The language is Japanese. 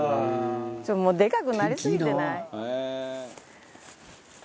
ちょっともうでかくなりすぎてない？